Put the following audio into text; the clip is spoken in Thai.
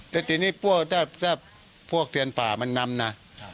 แต่ทีนี้พวกถ้าพวกเทียนป่ามันนำนะ